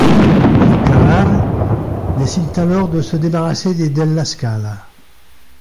Les Carrare décident alors de se débarrasser des Della Scala.